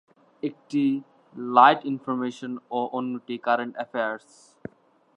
একটি light information ও অন্যটি কারেন্ট অ্যাফেয়ার্স।